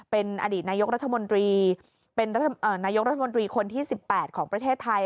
เป็นอดีตนายกรัฐมนตรีเป็นนายกรัฐมนตรีคนที่๑๘ของประเทศไทย